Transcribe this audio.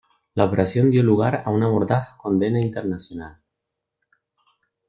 La operación dio lugar a una mordaz condena internacional.